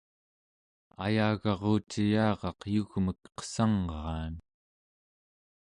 ayagaruciyaraq yugmek qessangraan